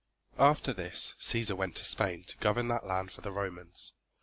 After this Cæsar went to Spain to govern that land for the Romans.